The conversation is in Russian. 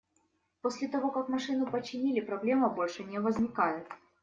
После того, как машину починили, проблема больше не возникает.